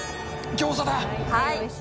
ギョーザだ。